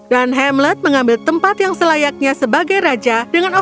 dan hamlet mengambil tempat yang selayaknya sebagai raja tarius